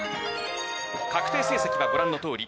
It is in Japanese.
確定成績はご覧のとおり。